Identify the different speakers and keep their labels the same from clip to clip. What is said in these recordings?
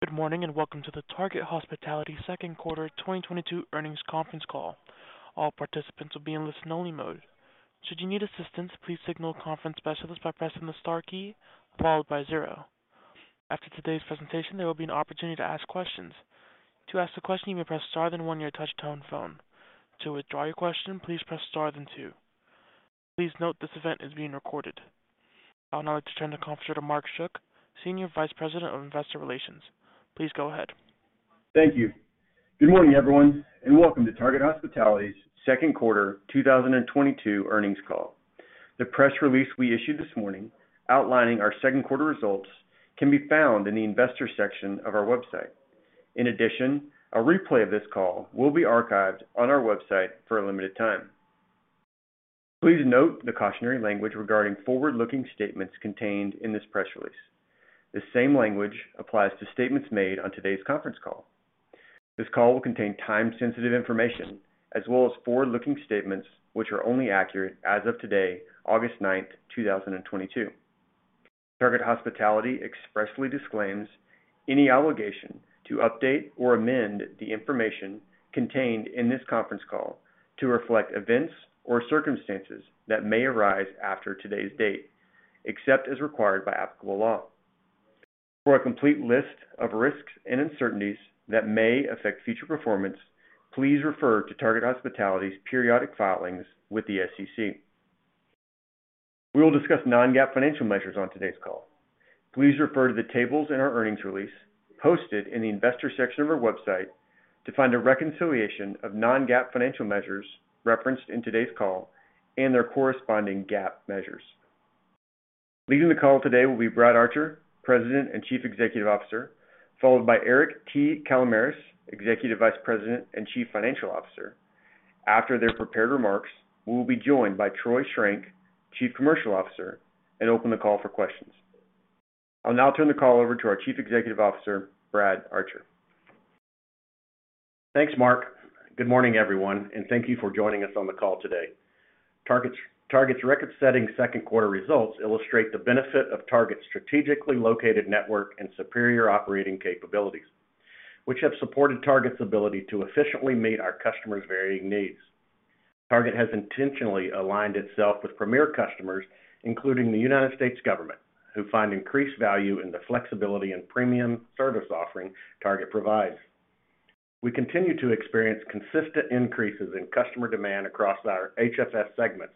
Speaker 1: Good morning, and welcome to the Target Hospitality second quarter 2022 earnings conference call. All participants will be in listen-only mode. Should you need assistance, please signal a conference specialist by pressing the star key followed by zero. After today's presentation, there will be an opportunity to ask questions. To ask a question, you may press star then one on your touch-tone phone. To withdraw your question, please press star then two. Please note this event is being recorded. I would now like to turn the conference to Mark Schuck, Senior Vice President of Investor Relations. Please go ahead.
Speaker 2: Thank you. Good morning, everyone, and welcome to Target Hospitality's second quarter 2022 earnings call. The press release we issued this morning outlining our second quarter results can be found in the investor section of our website. In addition, a replay of this call will be archived on our website for a limited time. Please note the cautionary language regarding forward-looking statements contained in this press release. The same language applies to statements made on today's conference call. This call will contain time-sensitive information as well as forward-looking statements which are only accurate as of today, August 9th, 2022. Target Hospitality expressly disclaims any obligation to update or amend the information contained in this conference call to reflect events or circumstances that may arise after today's date, except as required by applicable law. For a complete list of risks and uncertainties that may affect future performance, please refer to Target Hospitality's periodic filings with the SEC. We will discuss non-GAAP financial measures on today's call. Please refer to the tables in our earnings release posted in the investor section of our website to find a reconciliation of non-GAAP financial measures referenced in today's call and their corresponding GAAP measures. Leading the call today will be Brad Archer, President and Chief Executive Officer, followed by Eric Kalamaras, Executive Vice President and Chief Financial Officer. After their prepared remarks, we will be joined by Troy Schrenk, Chief Commercial Officer, and open the call for questions. I'll now turn the call over to our Chief Executive Officer, Brad Archer.
Speaker 3: Thanks, Mark. Good morning, everyone, and thank you for joining us on the call today. Target's record-setting second quarter results illustrate the benefit of Target's strategically located network and superior operating capabilities, which have supported Target's ability to efficiently meet our customers' varying needs. Target has intentionally aligned itself with premier customers, including the United States government, who find increased value in the flexibility and premium service offering Target provides. We continue to experience consistent increases in customer demand across HFS segments,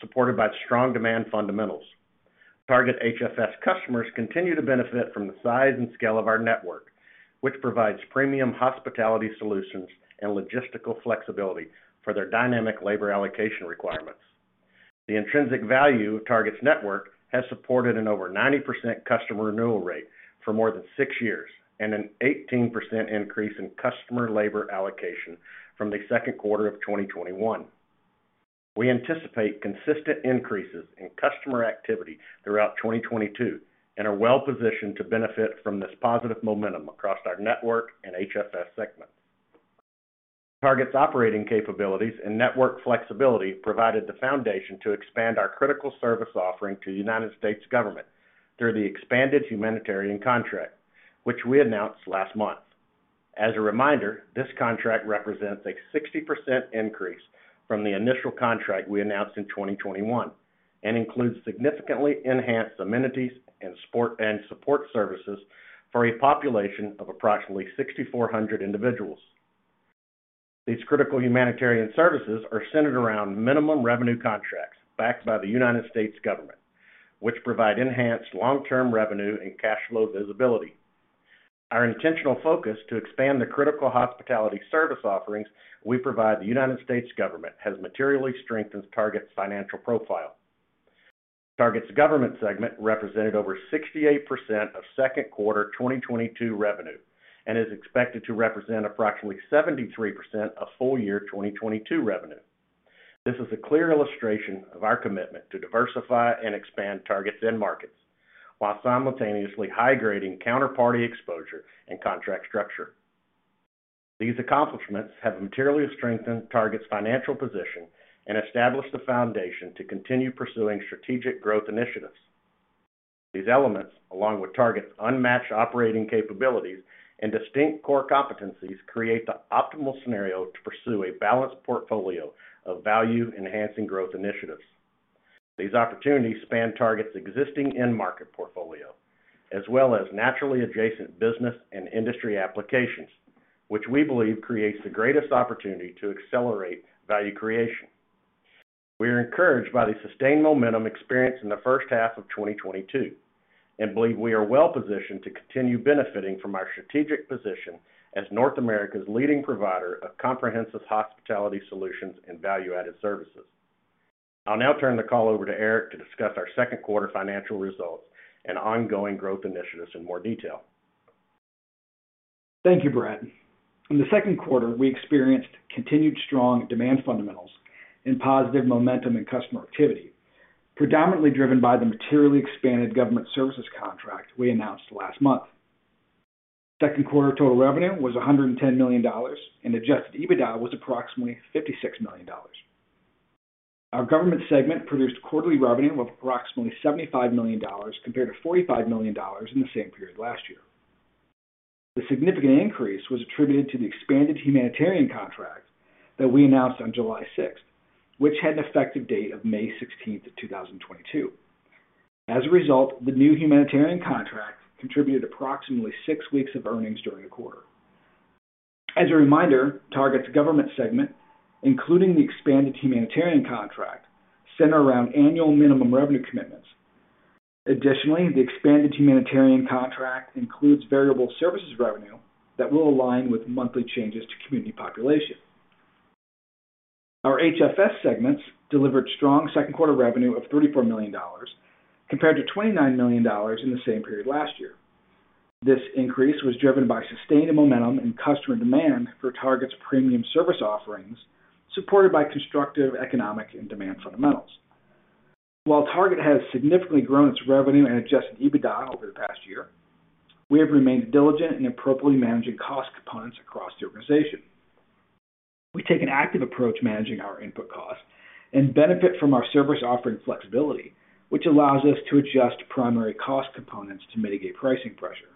Speaker 3: supported by strong demand fundamentals. Target HFS customers continue to benefit from the size and scale of our network, which provides premium hospitality solutions and logistical flexibility for their dynamic labor allocation requirements. The intrinsic value of Target's network has supported an over 90% customer renewal rate for more than six years and an 18% increase in customer labor allocation from the second quarter of 2021. We anticipate consistent increases in customer activity throughout 2022 and are well-positioned to benefit from this positive momentum across our network HFS segments. target's operating capabilities and network flexibility provided the foundation to expand our critical service offering to U.S. government Expanded Humanitarian Contract, which we announced last month. As a reminder, this contract represents a 60% increase from the initial contract we announced in 2021 and includes significantly enhanced amenities and support services for a population of approximately 6,400 individuals. These critical humanitarian services are centered around minimum revenue contracts backed by the United States government, which provide enhanced long-term revenue and cash flow visibility. Our intentional focus to expand the critical hospitality service offerings we provide the United States government has materially strengthened Target's financial profile. Government segment represented over 68% of second quarter 2022 revenue and is expected to represent approximately 73% of full year 2022 revenue. This is a clear illustration of our commitment to diversify and expand Target's end markets while simultaneously high-grading counterparty exposure and contract structure. These accomplishments have materially strengthened Target's financial position and established the foundation to continue pursuing strategic growth initiatives. These elements, along with Target's unmatched operating capabilities and distinct core competencies, create the optimal scenario to pursue a balanced portfolio of value-enhancing growth initiatives. These opportunities span Target's existing end market portfolio, as well as naturally adjacent business and industry applications, which we believe creates the greatest opportunity to accelerate value creation. We are encouraged by the sustained momentum experienced in the first half of 2022 and believe we are well positioned to continue benefiting from our strategic position as North America's leading provider of comprehensive hospitality solutions and value-added services. I'll now turn the call over to Eric to discuss our second quarter financial results and ongoing growth initiatives in more detail.
Speaker 4: Thank you, Brad. In the second quarter, we experienced continued strong demand fundamentals and positive momentum in customer activity, predominantly driven by the materially expanded government services contract we announced last month. Second quarter total revenue was $110 million, and Adjusted EBITDA was approximately $56 million. Government segment produced quarterly revenue of approximately $75 million compared to $45 million in the same period last year. The significant increase was attributed to the Expanded Humanitarian Contract that we announced on July 6, which had an effective date of May 16th, 2022. As a result, the new humanitarian contract contributed approximately six weeks of earnings during the quarter. As a reminder, Government segment, expanded humanitarian contract, center around annual minimum revenue commitments. Additionally, the Expanded Humanitarian Contract includes variable services revenue that will align with monthly changes to community population. HFS segments delivered strong second quarter revenue of $34 million compared to $29 million in the same period last year. This increase was driven by sustained momentum in customer demand for Target's premium service offerings, supported by constructive economic and demand fundamentals. While Target has significantly grown its revenue and Adjusted EBITDA over the past year, we have remained diligent in appropriately managing cost components across the organization. We take an active approach managing our input costs and benefit from our service offering flexibility, which allows us to adjust primary cost components to mitigate pricing pressure.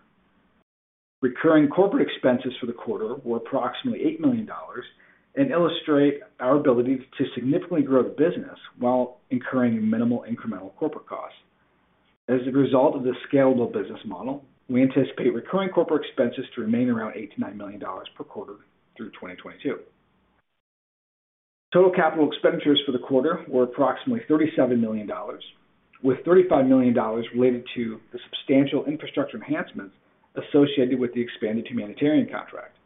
Speaker 4: Recurring corporate expenses for the quarter were approximately $8 million and illustrate our ability to significantly grow the business while incurring minimal incremental corporate costs. As a result of this scalable business model, we anticipate recurring corporate expenses to remain around $8 million-$9 million per quarter through 2022. Total capital expenditures for the quarter were approximately $37 million, with $35 million related to the substantial infrastructure enhancements associated with the Expanded Humanitarian Contract.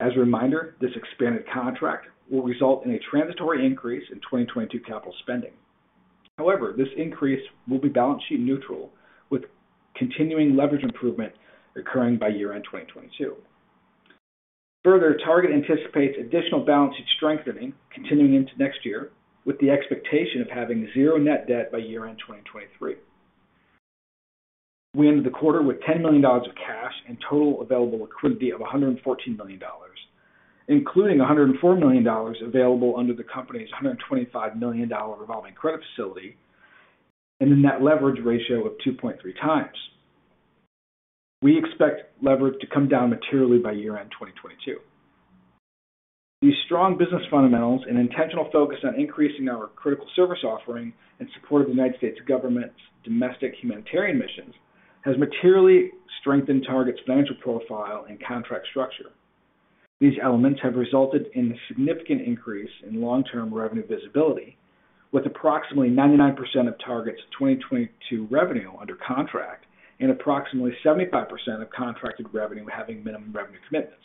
Speaker 4: As a reminder, this expanded contract will result in a transitory increase in 2022 capital spending. However, this increase will be balance sheet neutral, with continuing leverage improvement occurring by year-end 2022. Further, Target anticipates additional balance sheet strengthening continuing into next year, with the expectation of having zero net debt by year-end 2023. We ended the quarter with $10 million of cash and total available liquidity of $114 million, including $104 million available under the company's $125 million Revolving Credit Facility and a net leverage ratio of 2.3x. We expect leverage to come down materially by year-end 2022. These strong business fundamentals and intentional focus on increasing our critical service offering in support of the United States government's domestic humanitarian missions has materially strengthened Target's financial profile and contract structure. These elements have resulted in a significant increase in long-term revenue visibility, with approximately 99% of Target's 2022 revenue under contract and approximately 75% of contracted revenue having minimum revenue commitments.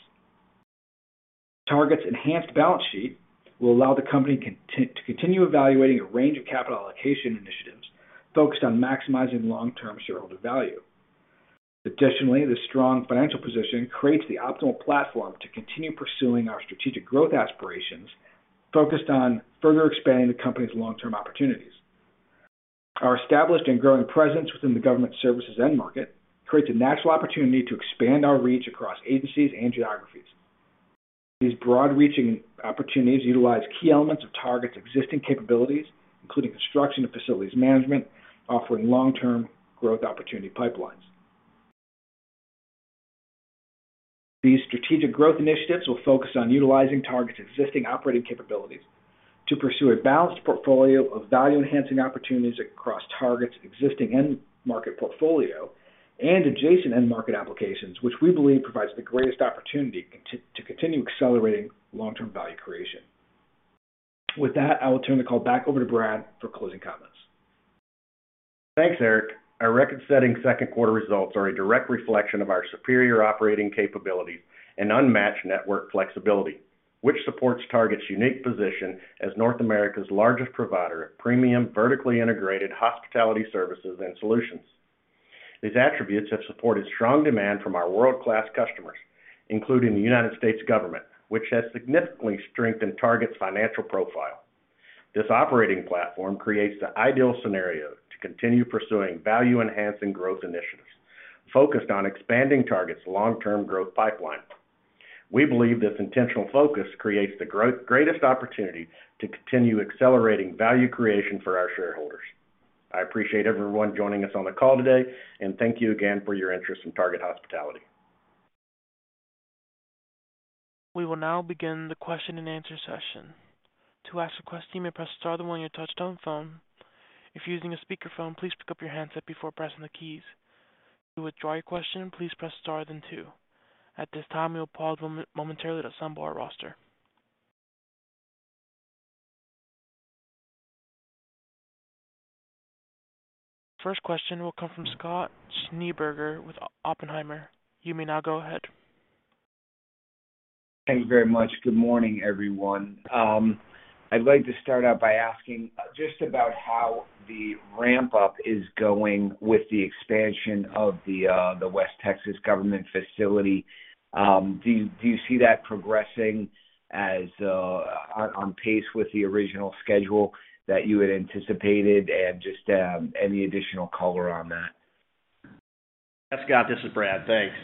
Speaker 4: Target's enhanced balance sheet will allow the company to continue evaluating a range of capital allocation initiatives focused on maximizing long-term shareholder value. Additionally, this strong financial position creates the optimal platform to continue pursuing our strategic growth aspirations focused on further expanding the company's long-term opportunities. Our established and growing presence within the government services end market creates a natural opportunity to expand our reach across agencies and geographies. These broad-reaching opportunities utilize key elements of Target's existing capabilities, including construction and facilities management, offering long-term growth opportunity pipelines. These strategic growth initiatives will focus on utilizing Target's existing operating capabilities to pursue a balanced portfolio of value-enhancing opportunities across Target's existing end market portfolio and adjacent end market applications, which we believe provides the greatest opportunity to continue accelerating long-term value creation. With that, I will turn the call back over to Brad for closing comments.
Speaker 3: Thanks, Eric. Our record-setting second-quarter results are a direct reflection of our superior operating capabilities and unmatched network flexibility, which supports Target's unique position as North America's largest provider of premium, vertically integrated hospitality services and solutions. These attributes have supported strong demand from our world-class customers, including the United States government, which has significantly strengthened Target's financial profile. This operating platform creates the ideal scenario to continue pursuing value-enhancing growth initiatives focused on expanding Target's long-term growth pipeline. We believe this intentional focus creates the greatest opportunity to continue accelerating value creation for our shareholders. I appreciate everyone joining us on the call today, and thank you again for your interest in Target Hospitality.
Speaker 1: We will now begin the question-and-answer session. To ask a question, press star then one on your touchtone phone. If you're using a speakerphone, please pick up your handset before pressing the keys. To withdraw your question, please press star then two. At this time, we'll pause momentarily to assemble our roster. First question will come from Scott Schneeberger with Oppenheimer. You may now go ahead.
Speaker 5: Thank you very much. Good morning, everyone. I'd like to start out by asking just about how the ramp-up is going with the expansion of the West Texas government facility. Do you see that progressing as on pace with the original schedule that you had anticipated? Just any additional color on that?
Speaker 3: Yes, Scott, this is Brad. Thanks.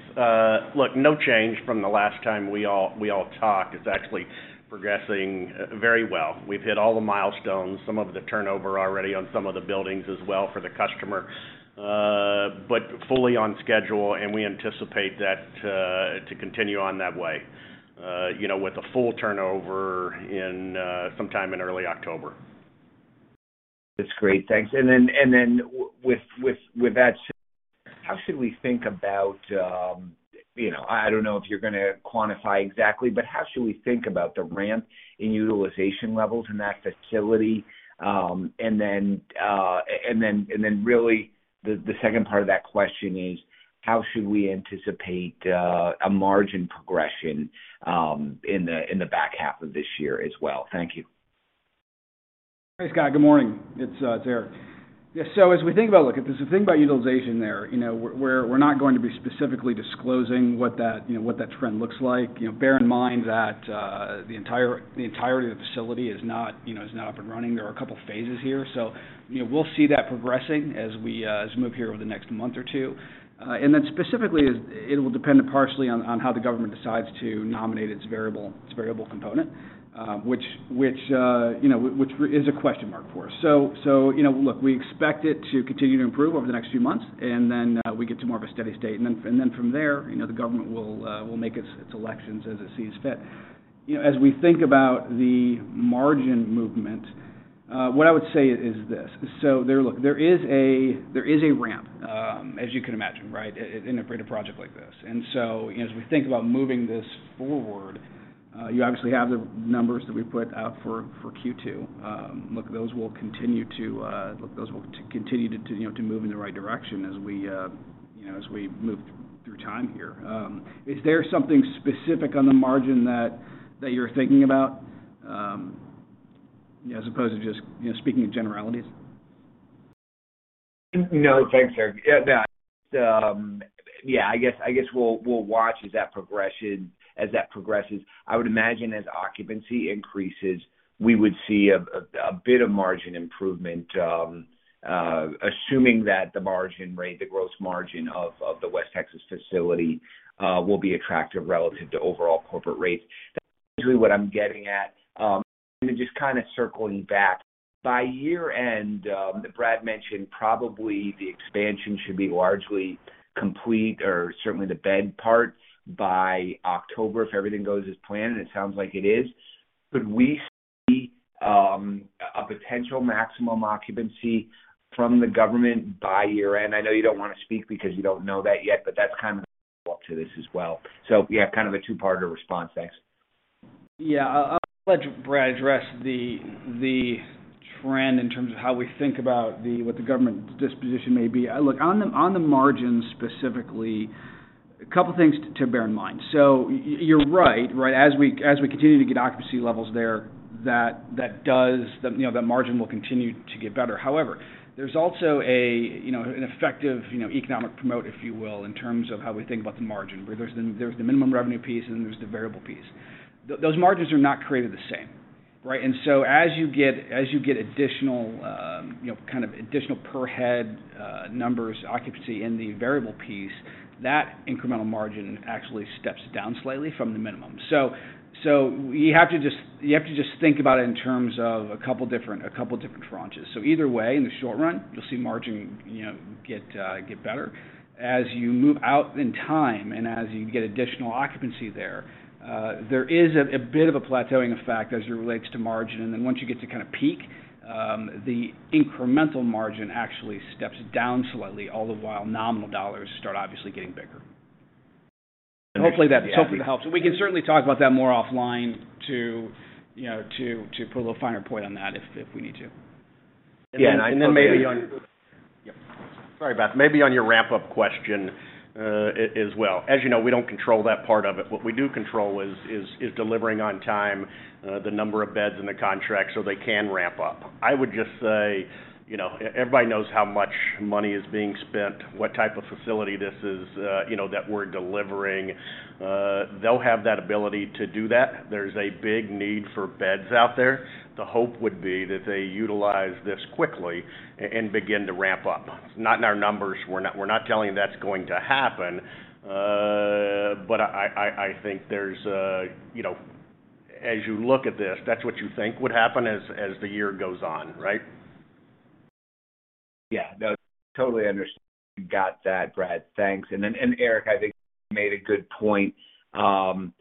Speaker 3: Look, no change from the last time we all talked. It's actually progressing very well. We've hit all the milestones, some of the turnover already on some of the buildings as well for the customer. Fully on schedule, and we anticipate that to continue on that way, you know, with a full turnover in sometime in early October.
Speaker 5: That's great. Thanks. With that, how should we think about, you know, I don't know if you're gonna quantify exactly, but how should we think about the ramp in utilization levels in that facility? Really, the second part of that question is how should we anticipate a margin progression in the back half of this year as well? Thank you.
Speaker 4: Thanks, Scott. Good morning. It's Eric. Yeah, so as we think about it, look, if there's a thing about utilization there, you know, we're not going to be specifically disclosing what that, you know, what that trend looks like. You know, bear in mind that the entirety of the facility is not up and running. There are a couple of phases here, so, you know, we'll see that progressing as we move here over the next month or two. Then specifically, it will depend partially on how the government decides to nominate its variable component, which is a question mark for us. You know, look, we expect it to continue to improve over the next few months, and then we get to more of a steady state. From there, you know, the government will make its elections as it sees fit. You know, as we think about the margin movement, what I would say is this. Look, there is a ramp as you can imagine, right, in a greater project like this. You know, as we think about moving this forward, you obviously have the numbers that we put out for Q2. Look, those will continue to move in the right direction as we, you know, as we move through time here. Is there something specific on the margin that you're thinking about, as opposed to just, you know, speaking in generalities?
Speaker 5: No, thanks, Eric. Yeah, no. I guess we'll watch as that progresses. I would imagine as occupancy increases, we would see a bit of margin improvement, assuming that the margin rate, the gross margin of the West Texas facility, will be attractive relative to overall corporate rates. That's usually what I'm getting at. And then just kinda circling back. By year-end, that Brad mentioned, probably the expansion should be largely complete or certainly the bed part by October if everything goes as planned, and it sounds like it is. Could we see a potential maximum occupancy from the government by year-end? I know you don't wanna speak because you don't know that yet, but that's kind of the follow-up to this as well. Yeah, kind of a two-parter response. Thanks.
Speaker 4: Yeah. I'll let Brad address the trend in terms of how we think about what the government disposition may be. Look, on the margin specifically, a couple of things to bear in mind. You're right? As we continue to get occupancy levels there, that does. You know, that margin will continue to get better. However, there's also, you know, an effective, you know, economic promote, if you will, in terms of how we think about the margin, where there's the minimum revenue piece and then there's the variable piece. Those margins are not created the same, right? As you get additional, you know, kind of additional per head numbers, occupancy in the variable piece, that incremental margin actually steps down slightly from the minimum. You have to just think about it in terms of a couple different tranches. Either way, in the short run, you'll see margin, you know, get better. As you move out in time and as you get additional occupancy there is a bit of a plateauing effect as it relates to margin. Then once you get to kind of peak, the incremental margin actually steps down slightly, all the while nominal dollars start obviously getting bigger. And hopefully that helps. We can certainly talk about that more offline to, you know, put a little finer point on that if we need to.
Speaker 3: Yeah, maybe on-
Speaker 5: Okay.
Speaker 3: Yeah. Sorry about that. Maybe on your ramp-up question as well. As you know, we don't control that part of it. What we do control is delivering on time the number of beds in the contract so they can ramp up. I would just say, you know, everybody knows how much money is being spent, what type of facility this is, you know, that we're delivering. They'll have that ability to do that. There's a big need for beds out there. The hope would be that they utilize this quickly and begin to ramp up. It's not in our numbers. We're not telling you that's going to happen. I think there's, you know, as you look at this, that's what you think would happen as the year goes on, right?
Speaker 5: Yeah. No, totally got that, Brad. Thanks. Then, Eric, I think you made a good point. Even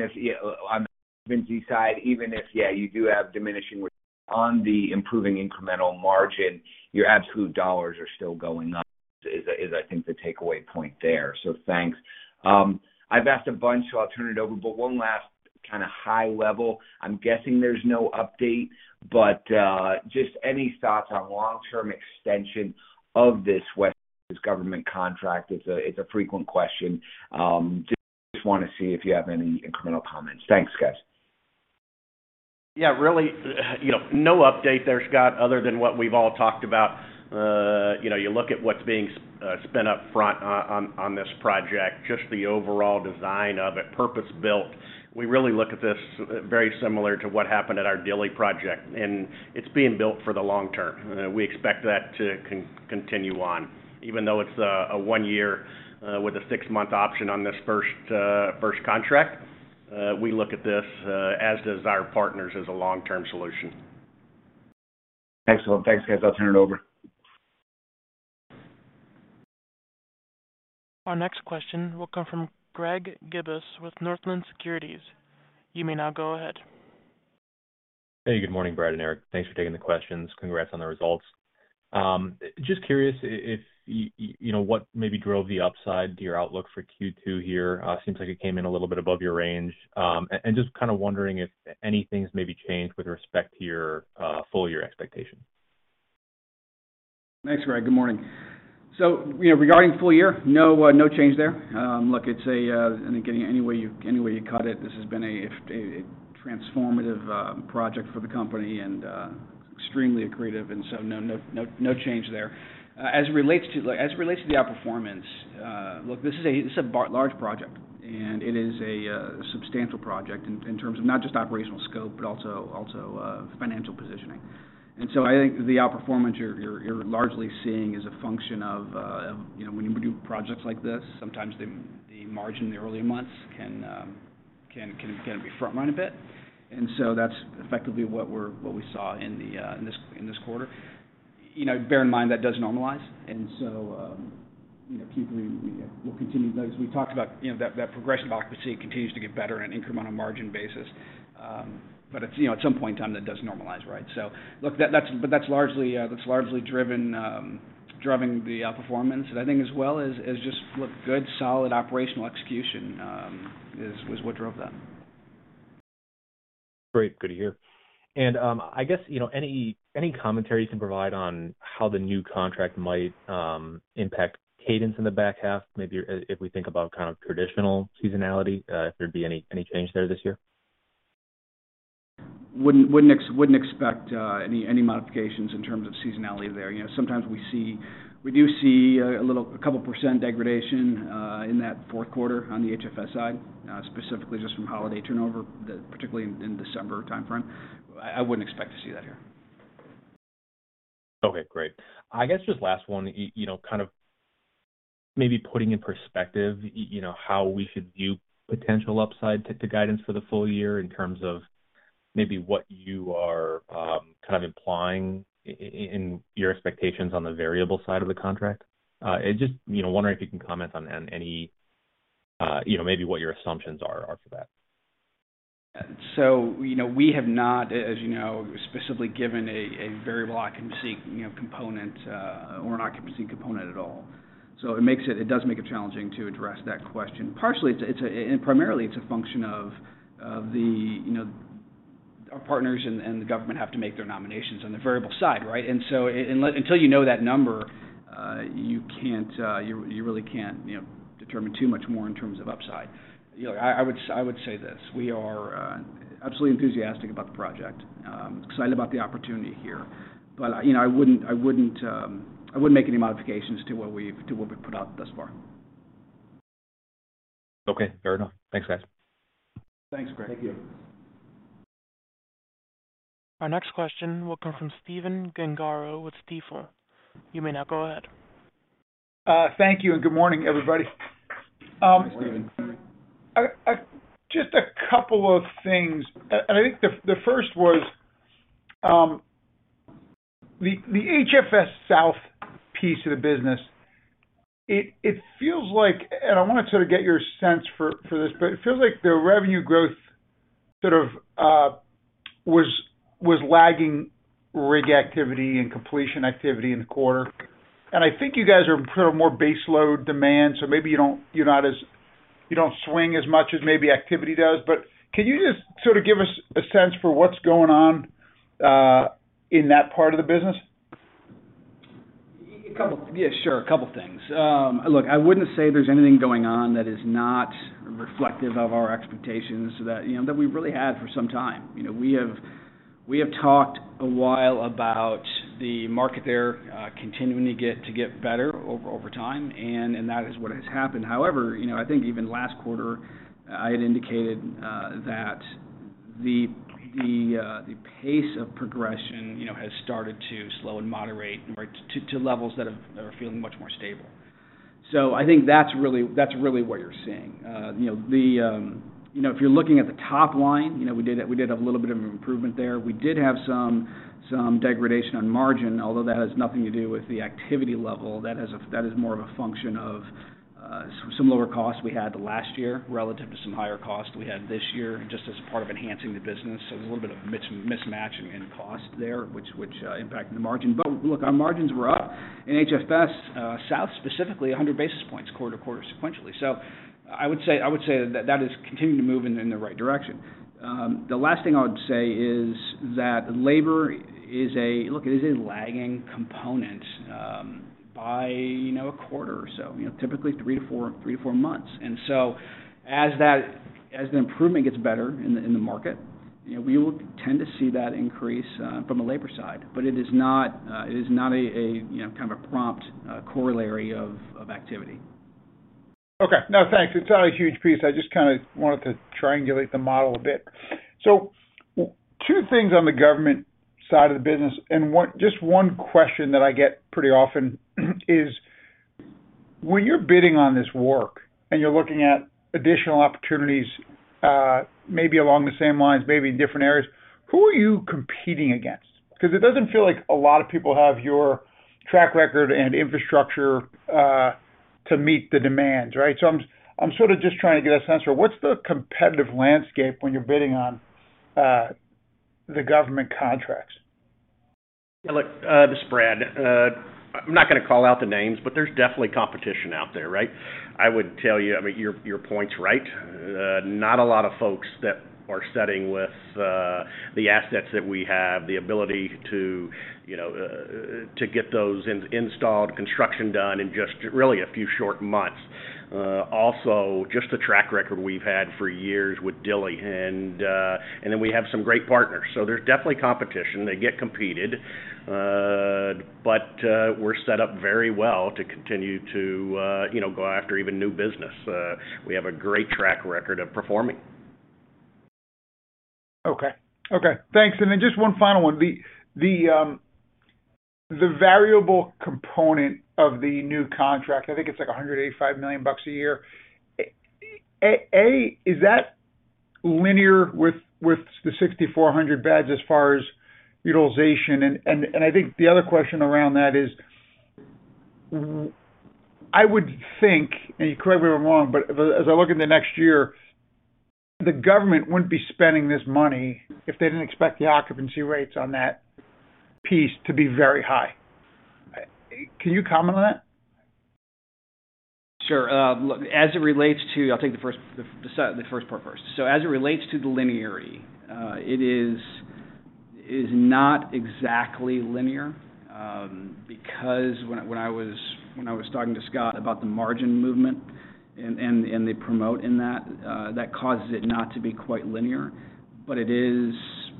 Speaker 5: if, you know, on the occupancy side, even if, yeah, you do have diminishing returns on the improving incremental margin, your absolute dollars are still going up, is, I think the takeaway point there. Thanks. I've asked a bunch, so I'll turn it over. One last kinda high level, I'm guessing there's no update, but just any thoughts on long-term extension of this West Texas government contract? It's a frequent question. Just wanna see if you have any incremental comments. Thanks, guys.
Speaker 3: Yeah, really, you know, no update there, Scott, other than what we've all talked about. You know, you look at what's being spent up front on this project, just the overall design of it, purpose-built. We really look at this very similar to what happened at our Dilley project, and it's being built for the long term. We expect that to continue on, even though it's a one-year with a six-month option on this first contract. We look at this, as does our partners, as a long-term solution.
Speaker 5: Excellent. Thanks, guys. I'll turn it over.
Speaker 1: Our next question will come from Greg Gibas with Northland Securities. You may now go ahead.
Speaker 6: Hey, good morning, Brad and Eric. Thanks for taking the questions. Congrats on the results. Just curious if you know what maybe drove the upside to your outlook for Q2 here. Seems like it came in a little bit above your range. Just kinda wondering if anything's maybe changed with respect to your full year expectation.
Speaker 4: Thanks, Greg. Good morning. You know, regarding full year, no change there. Look, I think any way you cut it, this has been a transformative project for the company and extremely accretive, no change there. As it relates to the outperformance, look, this is a large project, and it is a substantial project in terms of not just operational scope, but also financial positioning. I think the outperformance you're largely seeing is a function of you know, when you do projects like this, sometimes the margin in the early months can be front run a bit. That's effectively what we saw in this quarter. You know, bear in mind, that does normalize. You know, we'll continue to note, as we talked about, you know, that progression of occupancy continues to get better on an incremental margin basis. But it's, you know, at some point in time, that does normalize, right? Look, but that's largely driving the outperformance. I think as well is just, look, good solid operational execution is what drove that.
Speaker 6: Great. Good to hear. I guess, you know, any commentary you can provide on how the new contract might impact cadence in the back half, maybe if we think about kind of traditional seasonality, if there'd be any change there this year?
Speaker 4: Wouldn't expect any modifications in terms of seasonality there. You know, sometimes we see. We do see a little, a couple percent degradation in that fourth quarter on the HFS side, specifically just from holiday turnover, particularly in December timeframe. I wouldn't expect to see that here.
Speaker 6: Okay, great. I guess just last one, you know, kind of maybe putting in perspective, you know, how we should view potential upside to guidance for the full year in terms of maybe what you are kind of implying in your expectations on the variable side of the contract. Just, you know, wondering if you can comment on any, you know, maybe what your assumptions are for that.
Speaker 4: You know, we have not, as you know, specifically given a variable occupancy, you know, component, or an occupancy component at all. It does make it challenging to address that question. Partially, primarily, it's a function of our partners and the government have to make their nominations on the variable side, right? Until you know that number, you really can't, you know, determine too much more in terms of upside. You know, I would say this. We are absolutely enthusiastic about the project, excited about the opportunity here. You know, I wouldn't make any modifications to what we've put out thus far.
Speaker 6: Okay, fair enough. Thanks, guys.
Speaker 4: Thanks, Greg.
Speaker 3: Thank you.
Speaker 1: Our next question will come from Stephen Gengaro with Stifel. You may now go ahead.
Speaker 7: Thank you, and good morning, everybody.
Speaker 4: Good morning.
Speaker 3: Good morning.
Speaker 7: Just a couple of things. I think the first was the HFS South piece of the business. It feels like I wanna sort of get your sense for this, but it feels like the revenue growth sort of was lagging rig activity and completion activity in the quarter. I think you guys are sort of more baseload demand, so maybe you don't swing as much as activity does. Can you just sort of give us a sense for what's going on in that part of the business?
Speaker 4: A couple things. Look, I wouldn't say there's anything going on that is not reflective of our expectations that, you know, that we've really had for some time. You know, we have talked a while about the market there continuing to get better over time, and that is what has happened. However, you know, I think even last quarter, I had indicated that the pace of progression, you know, has started to slow and moderate or to levels that are feeling much more stable. So I think that's really what you're seeing. You know, if you're looking at the top line, you know, we did have a little bit of improvement there. We did have some degradation on margin, although that has nothing to do with the activity level. That is more of a function of some lower costs we had last year relative to some higher costs we had this year, just as part of enhancing the business. A little bit of a mismatch in cost there, which impacted the margin. Look, our margins were up in HFS South, specifically 100 basis points quarter-to-quarter sequentially. I would say that is continuing to move in the right direction. The last thing I would say is that labor is a lagging component by you know a quarter or so, you know, typically three to four months. As the improvement gets better in the market, you know, we will tend to see that increase from the labor side. It is not a you know kind of a prompt corollary of activity.
Speaker 7: Okay. No, thanks. It's not a huge piece. I just kinda wanted to triangulate the model a bit. Two things on the government side of the business, and one, just one question that I get pretty often is when you're bidding on this work and you're looking at additional opportunities, maybe along the same lines, maybe in different areas, who are you competing against? Because it doesn't feel like a lot of people have your track record and infrastructure to meet the demands. Right? I'm sort of just trying to get a sense for what's the competitive landscape when you're bidding on the government contracts.
Speaker 3: Look, this is Brad. I'm not gonna call out the names, but there's definitely competition out there, right? I would tell you, I mean, your point's right. Not a lot of folks that are set up with the assets that we have, the ability to, you know, to get those installed, construction done in just really a few short months. Also, just the track record we've had for years with Dilley and then we have some great partners. There's definitely competition. They get competed. We're set up very well to continue to, you know, go after even new business. We have a great track record of performing.
Speaker 7: Okay. Thanks. Just one final one. The variable component of the new contract, I think it's, like, $185 million a year. Is that linear with the 6,400 beds as far as utilization? I think the other question around that is I would think, and correct me if I'm wrong, but as I look in the next year, the government wouldn't be spending this money if they didn't expect the occupancy rates on that piece to be very high. Can you comment on that?
Speaker 4: Sure. Look, as it relates to, I'll take the first part first. As it relates to the linearity, it is not exactly linear, because when I was talking to Scott about the margin movement and the promote in that causes it not to be quite linear. It is.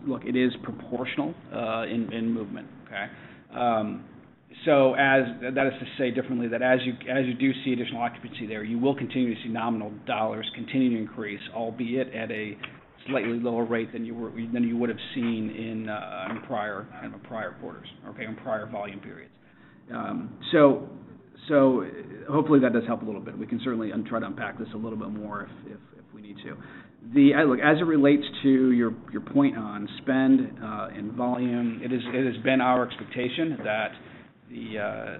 Speaker 4: Look, it is proportional in movement. Okay? That is to say it differently, that as you do see additional occupancy there, you will continue to see nominal dollars continue to increase, albeit at a slightly lower rate than you would have seen in kind of prior quarters or during prior volume periods. Hopefully that does help a little bit. We can certainly try to unpack this a little bit more if we need to. Look, as it relates to your point on spend and volume, it is, it has been our expectation that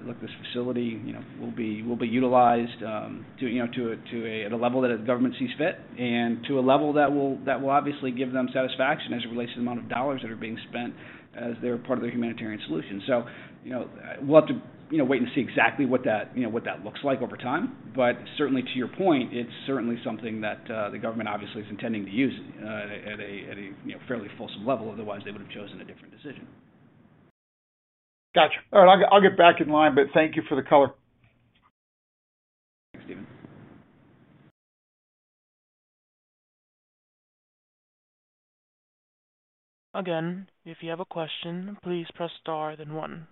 Speaker 4: look, this facility, you know, will be utilized, you know, at a level that a government sees fit and to a level that will obviously give them satisfaction as it relates to the amount of dollars that are being spent as they're part of their humanitarian solution. you know, we'll have to, you know, wait and see exactly what that, you know, looks like over time. Certainly to your point, it's certainly something that the government obviously is intending to use at a, you know, fairly fulsome level. Otherwise, they would have chosen a different decision.
Speaker 7: Gotcha. All right, I'll get back in line, but thank you for the color.
Speaker 4: Thanks, Stephen.
Speaker 1: Again, if you have a question, please press star, then one.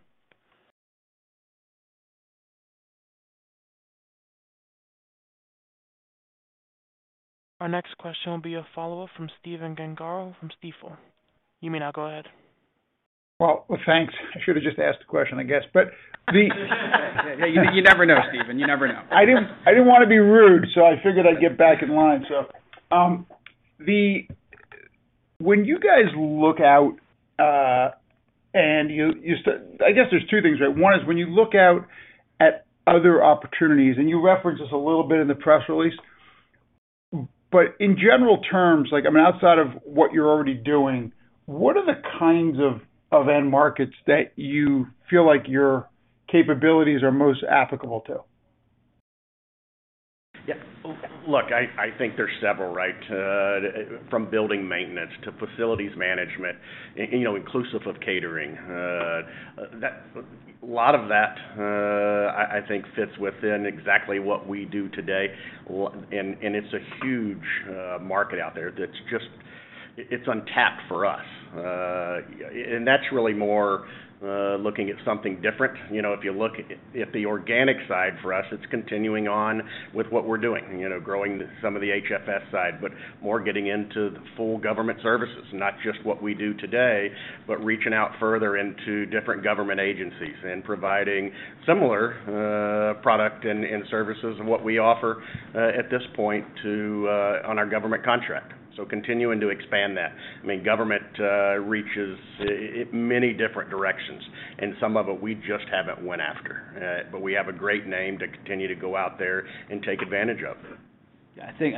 Speaker 1: Our next question will be a follow-up from Stephen Gengaro from Stifel. You may now go ahead.
Speaker 7: Thanks. I should have just asked the question, I guess.
Speaker 4: You never know, Stephen. You never know.
Speaker 7: I didn't want to be rude, so I figured I'd get back in line. When you guys look out and I guess there's two things, right? One is when you look out at other opportunities, and you referenced this a little bit in the press release, but in general terms, like, I mean, outside of what you're already doing, what are the kinds of end markets that you feel like your capabilities are most applicable to?
Speaker 3: Yeah. Look, I think there's several, right? From building maintenance to facilities management, you know, inclusive of catering. A lot of that, I think fits within exactly what we do today. It's a huge market out there that's just it's untapped for us. And that's really more looking at something different. You know, if you look at the organic side for us, it's continuing on with what we're doing, you know, growing some of the HFS side, but more getting into the full government services, not just what we do today, but reaching out further into different government agencies and providing similar product and services of what we offer at this point, too, on our government contract. Continuing to expand that. I mean, government reaches many different directions, and some of it we just haven't went after. We have a great name to continue to go out there and take advantage of.
Speaker 4: I think,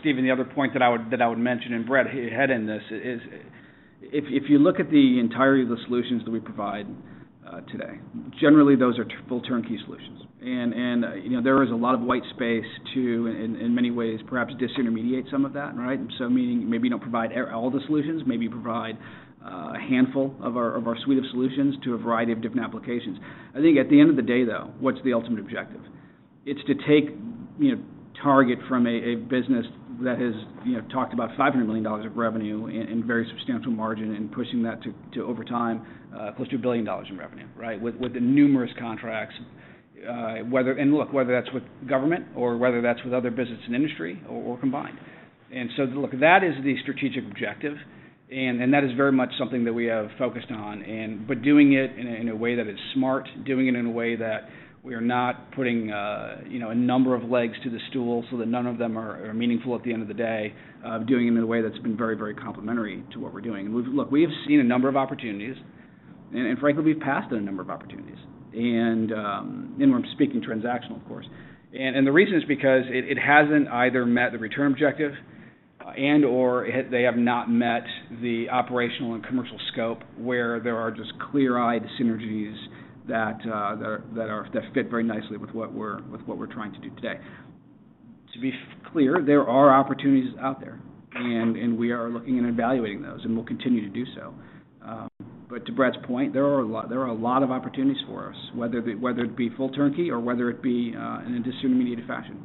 Speaker 4: Stephen, the other point that I would mention, and Brad heads in this, is if you look at the entirety of the solutions that we provide today, generally those are full turnkey solutions. You know, there is a lot of white space to, in many ways, perhaps disintermediate some of that, right? Meaning maybe don't provide all the solutions, maybe provide a handful of our suite of solutions to a variety of different applications. I think at the end of the day, though, what's the ultimate objective? It's to take Target from a business that has talked about $500 million of revenue and very substantial margin and pushing that to over time close to $1 billion in revenue, right? With the numerous contracts, whether that's with government or whether that's with other business and industry or combined. That is the strategic objective, and that is very much something that we have focused on, but doing it in a way that it's smart, doing it in a way that we are not putting a number of legs to the stool so that none of them are meaningful at the end of the day, doing them in a way that's been very, very complementary to what we're doing. Look, we have seen a number of opportunities and frankly, we've passed on a number of opportunities. We're speaking transactionally, of course. The reason is because it hasn't either met the return objective and/or they have not met the operational and commercial scope where there are just clear-eyed synergies that fit very nicely with what we're trying to do today. To be clear, there are opportunities out there, and we are looking and evaluating those, and we'll continue to do so. But to Brad's point, there are a lot of opportunities for us, whether it be full turnkey or in a disintermediated fashion.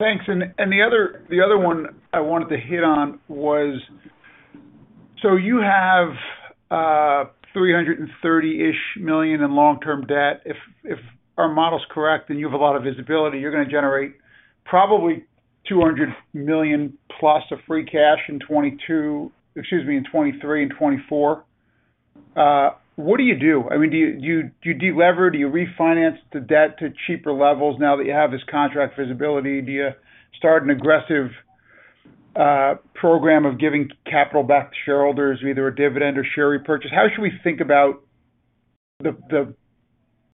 Speaker 7: Thanks. The other one I wanted to hit on was. You have $330-ish million in long-term debt. If our model's correct and you have a lot of visibility, you're gonna generate probably $200+ million of free cash in 2022, excuse me, in 2023 and 2024. What do you do? I mean, do you delever? Do you refinance the debt to cheaper levels now that you have this contract visibility? Do you start an aggressive program of giving capital back to shareholders, either a dividend or share repurchase? How should we think about the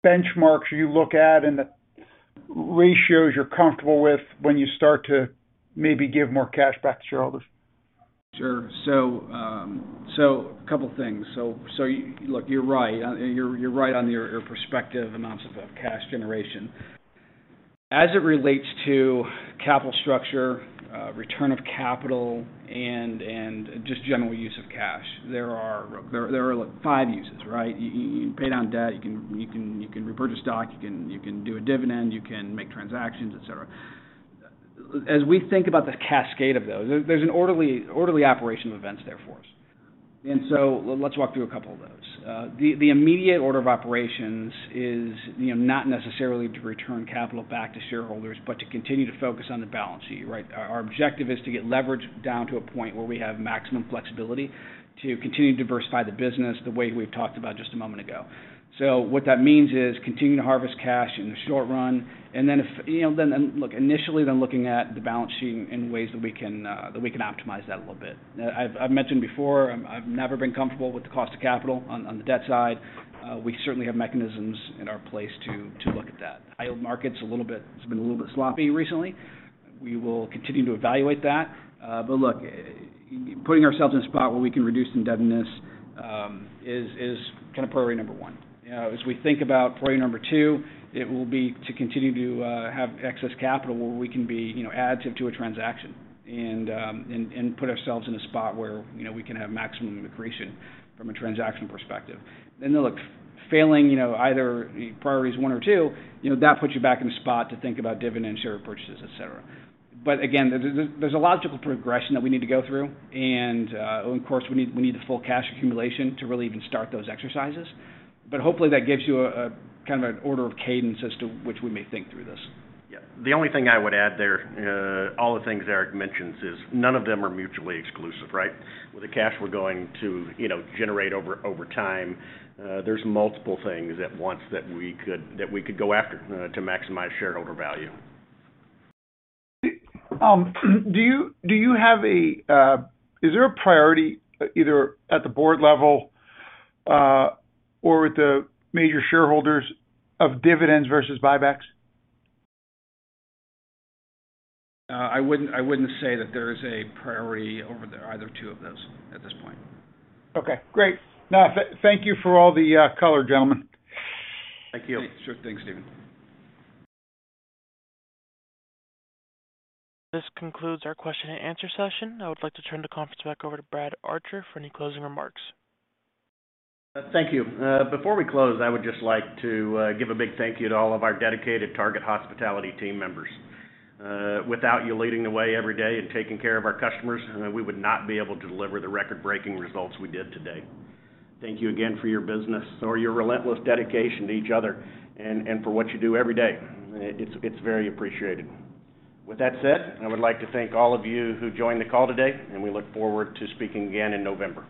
Speaker 7: benchmarks you look at and the ratios you're comfortable with when you start to maybe give more cash back to shareholders?
Speaker 4: Sure. Couple things. Look, you're right. You're right on your perspective amounts of cash generation. As it relates to capital structure, return of capital and just general use of cash, there are like five uses, right? You can pay down debt, you can repurchase stock, you can do a dividend, you can make transactions, et cetera. As we think about the cascade of those, there's an orderly operation of events there for us. Let's walk through a couple of those. The immediate order of operations is, you know, not necessarily to return capital back to shareholders, but to continue to focus on the balance sheet, right? Our objective is to get leverage down to a point where we have maximum flexibility to continue to diversify the business the way we've talked about just a moment ago. What that means is continuing to harvest cash in the short run, and then you know, then look, initially then looking at the balance sheet in ways that we can optimize that a little bit. I've mentioned before, I've never been comfortable with the cost of capital on the debt side. We certainly have mechanisms in place to look at that. High-yield market's a little bit, it's been a little bit sloppy recently. We will continue to evaluate that. Look, putting ourselves in a spot where we can reduce indebtedness is kind of priority number one. You know, as we think about priority number two, it will be to continue to have excess capital where we can be additive to a transaction and put ourselves in a spot where we can have maximum accretion from a transaction perspective. Look, failing either priorities one or two, you know, that puts you back in a spot to think about dividends, share purchases, et cetera. Again, there's a logical progression that we need to go through and, of course, we need the full cash accumulation to really even start those exercises. Hopefully, that gives you a kind of an order of cadence as to which we may think through this.
Speaker 3: Yeah. The only thing I would add there, all the things Eric mentions is none of them are mutually exclusive, right? With the cash we're going to generate over time, there's multiple things at once that we could go after, to maximize shareholder value.
Speaker 7: Is there a priority either at the board level or with the major shareholders of dividends versus buybacks?
Speaker 3: I wouldn't say that there is a priority over the other two of those at this point.
Speaker 7: Okay, great. That's it, thank you for all the color, gentlemen.
Speaker 3: Thank you.
Speaker 4: Sure thing, Stephen.
Speaker 1: This concludes our question-and-answer session. I would like to turn the conference back over to Brad Archer for any closing remarks.
Speaker 3: Thank you. Before we close, I would just like to give a big thank you to all of our dedicated Target Hospitality team members. Without you leading the way every day and taking care of our customers, we would not be able to deliver the record-breaking results we did today. Thank you again for your business or your relentless dedication to each other and for what you do every day. It's very appreciated. With that said, I would like to thank all of you who joined the call today, and we look forward to speaking again in November.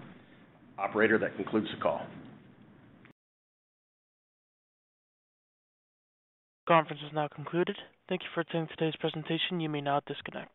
Speaker 3: Operator, that concludes the call.
Speaker 1: Conference is now concluded. Thank you for attending today's presentation. You may now disconnect.